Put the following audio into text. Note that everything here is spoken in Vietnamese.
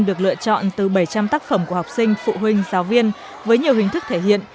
được lựa chọn từ bảy trăm linh tác phẩm của học sinh phụ huynh giáo viên với nhiều hình thức thể hiện